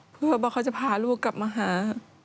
เพื่อว่าเขาจะพาลูกกลับมาหา